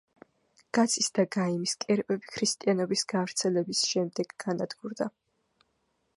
გაცის და გაიმის კერპები ქრისტიანობის გავრცელების შემდეგ განადგურდა.